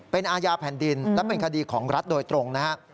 เป็นอาญาแผ่นดินและเป็นคดีของรัฐโดยตรงนะครับ